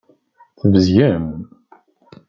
Tbezgem.